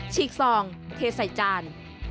ฉีกซองเทใส่จาน